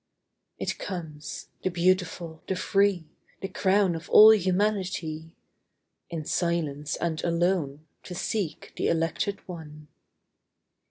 It comes, — the beautiful, the free, Tl: >wn of all humanity, — In silence and alone 2Q To seek the elected one.